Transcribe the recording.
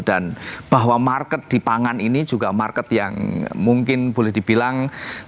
dan bahwa market di pangan ini juga market yang mungkin boleh dibilang